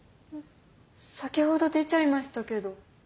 先ほど出ちゃいましたけど。